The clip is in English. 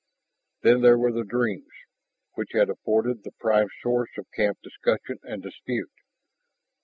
Then there were the "dreams," which had afforded the prime source of camp discussion and dispute.